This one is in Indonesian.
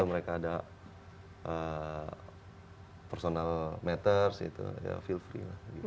atau mereka ada personal matters gitu ya feel free lah gitu